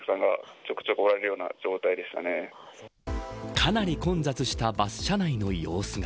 かなり混雑したバス車内の様子